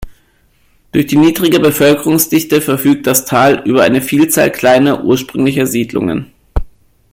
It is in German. Durch die niedrige Bevölkerungsdichte verfügt das Tal über eine Vielzahl kleiner, ursprünglicher Siedlungen.